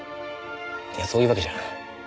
いやそういうわけじゃ。